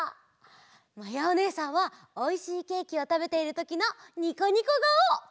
まやおねえさんはおいしいケーキをたべているときのニコニコがお！